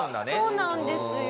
そうなんですよ。